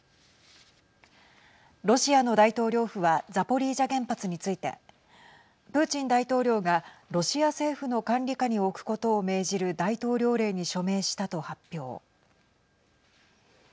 ロシアの大統領府はザポリージャ原発についてプーチン大統領がロシア政府の管理下に置くことを命じる大統領令に署名したと発表。